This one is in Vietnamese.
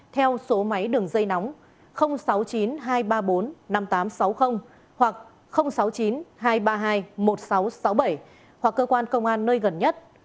theo số máy đường dây nóng sáu mươi chín hai trăm ba mươi bốn năm nghìn tám trăm sáu mươi hoặc sáu mươi chín hai trăm ba mươi hai một nghìn sáu trăm sáu mươi bảy hoặc cơ quan công an nơi gần nhất